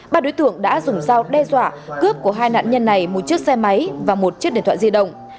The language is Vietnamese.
ba đối tượng đã dùng dao đe dọa cướp của hai nạn nhân này một chiếc xe máy và một chiếc điện thoại di động